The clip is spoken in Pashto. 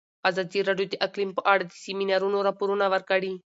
ازادي راډیو د اقلیم په اړه د سیمینارونو راپورونه ورکړي.